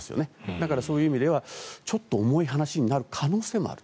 だから、そういう意味ではちょっと重い話になる可能性もある。